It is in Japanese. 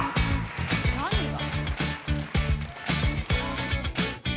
何が？